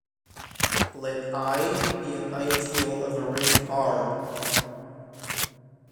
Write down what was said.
Let "I" be an ideal of a ring "R".